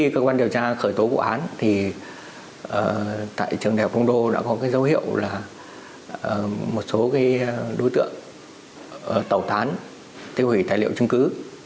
cơ quan điều tra khởi tố vụ án thì tại trường đại học phong đô đã có dấu hiệu là một số đối tượng tẩu tán tiêu hủy tài liệu chứng cứ